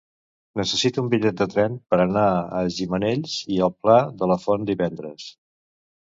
Necessito un bitllet de tren per anar a Gimenells i el Pla de la Font divendres.